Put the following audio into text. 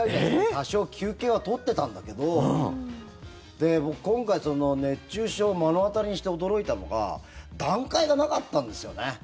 多少、休憩は取ってたんだけど僕、今回、熱中症を目の当たりにして驚いたのが段階がなかったんですよね。